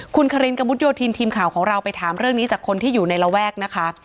คุณคารินกระมุดโยธินทีมข่าวของเราไปถามเรื่องนี้จากคนที่อยู่ในระแวกนะคะ